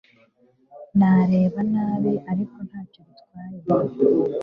Nareba nabi ariko ntacyo bitwaye